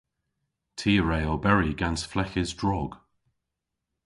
Ty a wre oberi gans fleghes drog.